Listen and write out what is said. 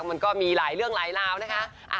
มันก็มีหลายเรื่องหลายราวนะคะ